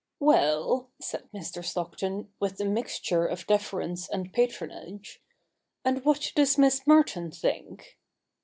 ' Well,' said Mr. Stockton, with a mixture of deference and patronage, ' and what does Miss Merton think